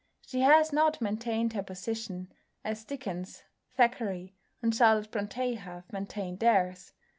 She has not maintained her position as Dickens, Thackeray, and Charlotte Brontë have maintained theirs.